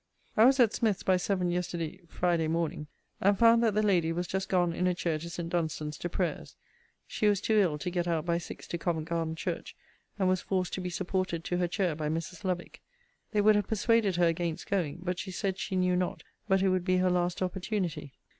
I was at Smith's by seven yesterday (Friday) morning; and found that the lady was just gone in a chair to St. Dunstan's to prayers: she was too ill to get out by six to Covent garden church; and was forced to be supported to her chair by Mrs. Lovick. They would have persuaded her against going; but she said she knew not but it would be her last opportunity.